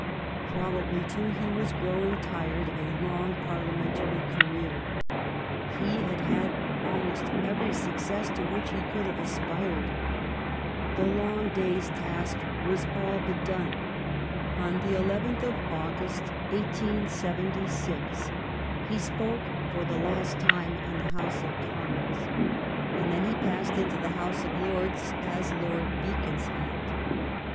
Probably, too, he was grow ing tired of a long Parliamentary career. He had had almost every success to which he could have aspired. The long day's task was all but done. On the eleventh of August, 1876, he spoke for the last time in the House of Commons, and then he 326 THE STORY OF GLADSTONE'S LIFE passed into the House of Lords as Lord Beacons field.